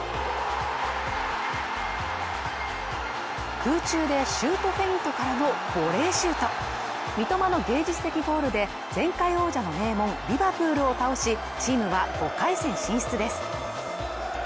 空中でシュートフェイントからのボレーシュート三笘の芸術的ゴールで前回王者の名門リバプールを倒しチームは５回戦進出です